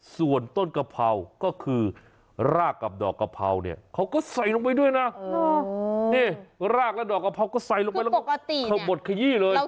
ส่วนต้นกะเพราก็คือรากกับดอกกะเพราเนี่ย